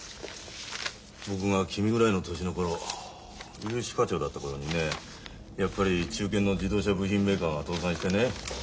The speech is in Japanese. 僕が君ぐらいの年の頃融資課長だった頃にねやっぱり中堅の自動車部品メーカーが倒産してね。